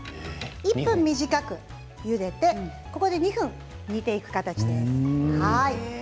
１分短くゆでてここで２分煮ていく形です。